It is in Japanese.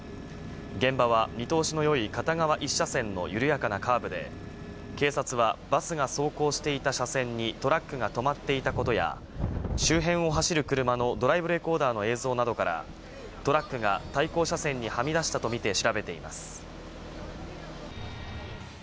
現場は見通しのよい片側１車線の緩やかなカーブで、警察はバスが走行していた車線にトラックが止まっていたことや、周辺を走る車のドライブレコーダーの映像などから、トラックが対向車線にはみ出したと見て調べています。